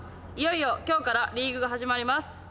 いよいよ今日からリーグが始まります。